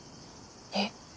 えっ？